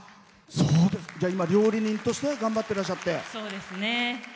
料理人として頑張っていらっしゃって。